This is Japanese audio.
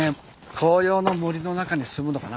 紅葉の森の中に進むのかな？